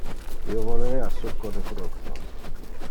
Io volerea succo de fructos.